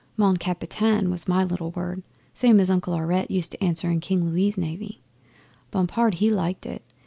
"Mon Capitaine" was my little word, same as Uncle Aurette used to answer in King Louis' Navy. Bompard, he liked it.